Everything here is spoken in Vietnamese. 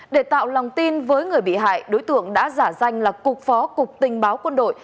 để tạo lòng tin với người bị hại đối tượng đã giả danh là cục phó cục tình báo quân đội